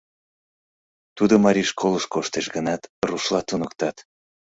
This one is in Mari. Тудо марий школыш коштеш гынат, рушла туныктат.